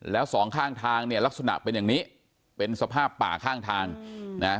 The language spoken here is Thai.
แล้วสองข้างทางเนี่ยลักษณะเป็นอย่างนี้เป็นสภาพป่าข้างทางนะ